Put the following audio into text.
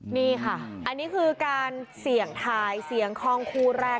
นี่ค่ะอันนี้คือการเสี่ยงทายเสียงคล่องคู่แรก